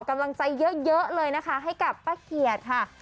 กำลังใจเยอะเลยนะคะให้กับป้าเกียรติค่ะ